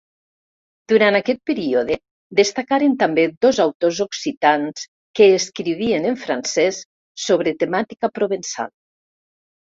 Durant aquest període destacaren també dos autors occitans que escrivien en francès sobre temàtica provençal.